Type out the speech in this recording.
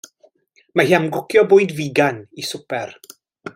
Mae hi am gwcio bwyd figan i swper.